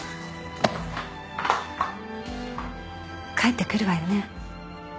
帰ってくるわよね？